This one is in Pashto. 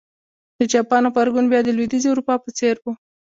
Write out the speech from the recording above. د جاپان غبرګون بیا د لوېدیځې اروپا په څېر و.